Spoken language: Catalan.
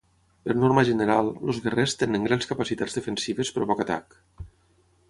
Per norma general, els guerrers tenen grans capacitats defensives però poc atac.